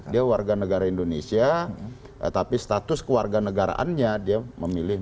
dia warga negara indonesia tapi status keluarga negaraannya dia memilih